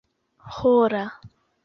hora